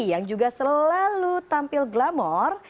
yang juga selalu tampil glamor